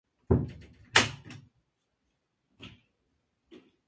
Otras diferencias incluirían nuevos modos multijugador, como Heli Hunt.